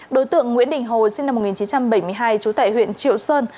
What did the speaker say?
đối tượng nguyễn đình hồ sinh năm một nghìn chín trăm bảy mươi hai trú tại huyện triệu sơn